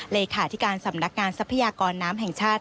เลขาธิการสำนักงานทรัพยากรน้ำแห่งชาติ